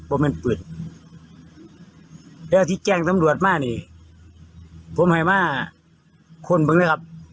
บ้ามาเปิดแล้วที่แจ้งสำรวจมานี่ผมให้มาคลนบึงนะครับ